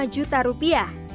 lima juta rupiah